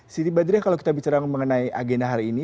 siti badriah kalau kita bicara mengenai agenda hari ini